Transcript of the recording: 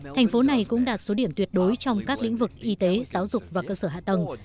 thành phố này cũng đạt số điểm tuyệt đối trong các lĩnh vực y tế giáo dục và cơ sở hạ tầng